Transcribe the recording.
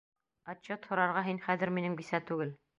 Отчет һорарға һин хәҙер минең бисә түгел!